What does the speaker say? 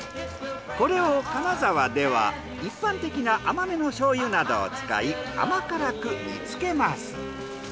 これを金沢では一般的な甘めの醤油などを使い甘辛く煮つけます。